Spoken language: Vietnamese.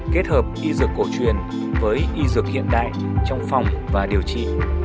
kết hợp y dược cổ truyền với y dược hiện đại trong phòng và điều trị